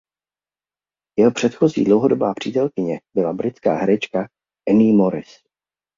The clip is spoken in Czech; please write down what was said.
Jeho předchozí dlouhodobá přítelkyně byla britská herečka Annie Morris.